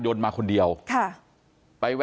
กลุ่มตัวเชียงใหม่